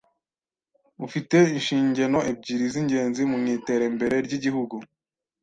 ufi te inshingeno ebyiri z’ingenzi mu iterembere ry’Igihugu